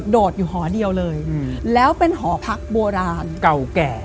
โดดอยู่หอเดียวเลยแล้วเป็นหอพักโบราณเก่าแก่